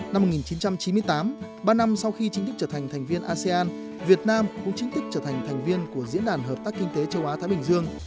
năm một nghìn chín trăm chín mươi tám ba năm sau khi chính thức trở thành thành viên asean việt nam cũng chính thức trở thành thành viên của diễn đàn hợp tác kinh tế châu á thái bình dương